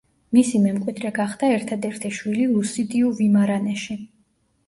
მისი მემკვიდრე გახდა ერთადერთი შვილი ლუსიდიუ ვიმარანეში.